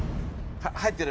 入ってる？